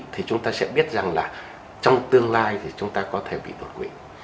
thì chúng ta sẽ biết rằng là trong tương lai thì chúng ta có thể bị đột quỵ